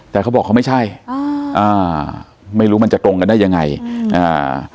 แต่เขาบอกเขาไม่ใช่อ่าอ่าไม่รู้มันจะตรงกันได้ยังไงอืมอ่า